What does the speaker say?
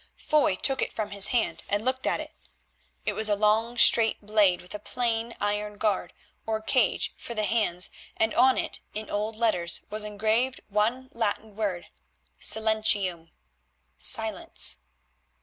Foy took it from his hand and looked at it. It was a long straight blade with a plain iron guard, or cage, for the hands, and on it, in old letters, was engraved one Latin word, Silentium, "Silence."